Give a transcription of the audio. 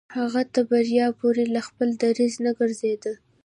هغه تر بريا پورې له خپل دريځه نه ګرځېده.